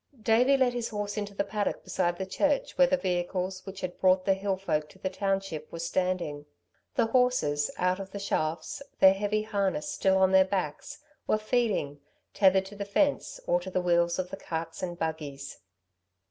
Davey led his horse into the paddock beside the church where the vehicles which had brought the hill folk to the township were standing. The horses out of the shafts, their heavy harness still on their backs, were feeding, tethered to the fence, or to the wheels of the carts and buggies.